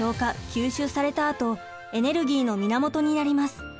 吸収されたあとエネルギーの源になります。